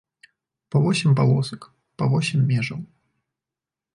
Па восем палосак, па восем межаў.